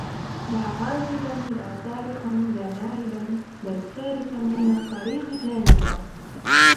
لاعاجلا لاصارخا لالاعبا بل سالكا من الطريق الجانبا